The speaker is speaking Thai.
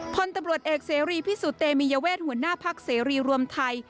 พลตำรวจเอกเสรีพิสุทธิเตมียเวทหัวหน้าพักเสรีรวมไทย